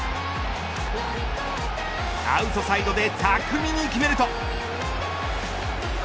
アウトサイドで巧みに決めると。